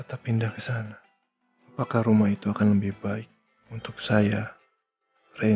t python gk serius ya belum ada yang bernama outbraw ini